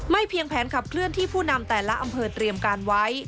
เพียงแผนขับเคลื่อนที่ผู้นำแต่ละอำเภอเตรียมการไว้